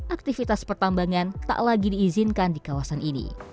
aktivitas pertambangan tak lagi diizinkan di kawasan ini